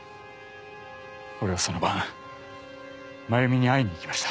俺はその晩真弓に会いに行きました。